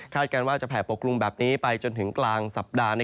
การว่าจะแผ่ปกกลุ่มแบบนี้ไปจนถึงกลางสัปดาห์